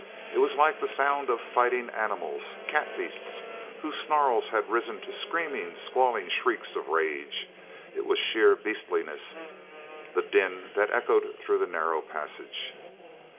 It was like the sound of fighting animals—cat beasts—whose snarls had risen to screaming, squalling shrieks of rage. It was sheer beastliness, the din that echoed through that narrow passage.